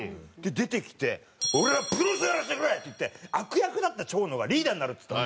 出てきて「俺はプロレスやらせてくれ！」って言って悪役だった蝶野がリーダーになるっつったの。